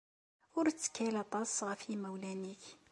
Ur ttkal aṭas ɣef yimawlan-nnek.